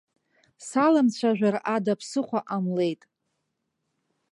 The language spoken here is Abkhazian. Саламцәажәар ада ԥсыхәа ҟамлеит.